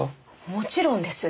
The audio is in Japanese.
もちろんです。